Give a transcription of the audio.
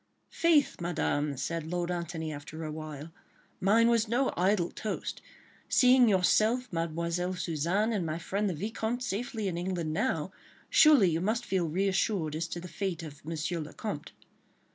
"Faith, Madame!" said Lord Antony, after a while, "mine was no idle toast; seeing yourself, Mademoiselle Suzanne and my friend the Vicomte safely in England now, surely you must feel reassured as to the fate of Monsieur le Comte."